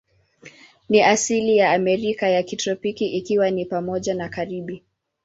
Ni asili ya Amerika ya kitropiki, ikiwa ni pamoja na Karibi.